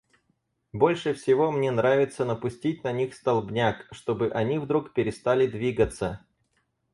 Больше всего мне нравится напустить на них столбняк, чтобы они вдруг перестали двигаться.